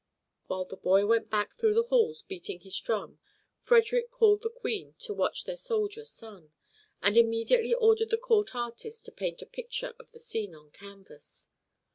While the boy went back through the halls beating his drum Frederick called the Queen to watch his soldier son, and immediately ordered the court artist to paint a picture of the scene on canvas.